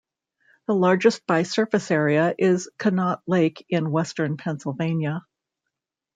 The largest by surface area is Conneaut Lake, in western Pennsylvania.